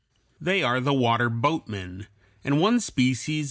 They are water boatmen, and one species (Fig.